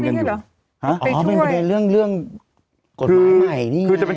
นี้หรอฮะอ๋อเป็นประเด็นเรื่องเรื่องกฎหมายใหม่นี่ไงคือจะเป็น